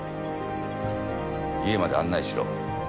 家まで案内しろ。